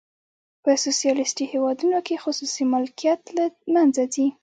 په سوسیالیستي هیوادونو کې خصوصي ملکیت له منځه ځي.